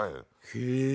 へえ。